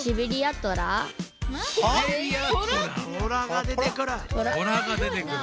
トラがでてくる。